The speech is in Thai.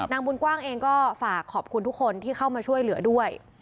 บุญกว้างเองก็ฝากขอบคุณทุกคนที่เข้ามาช่วยเหลือด้วย